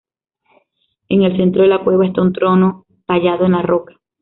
En el centro de la cueva esta un trono tallado en la roca.